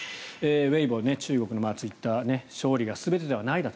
ウェイボー、中国のツイッター勝利が全てではないと。